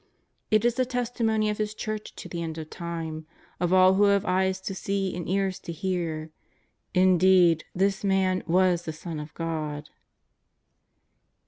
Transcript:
It is the testimony of His Church to the end of time, of all who have eyes to see and ears to hear: " Indeed this Man was the Son of God!